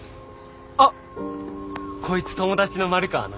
あっこいつ友達の丸川な。